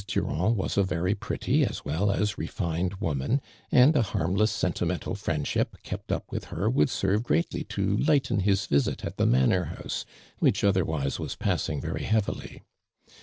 Du rand was a very pretty as well as refined woman, and a harmless, sentimental friend ship kept tip with her would serve great ly to lighten his visit at the manor house, which otherwise was passing very heavily.